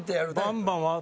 バンバン。